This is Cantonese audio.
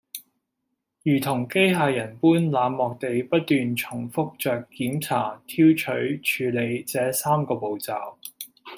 如同機械人般冷漠地不斷重覆著檢查、挑取、處理這三個步驟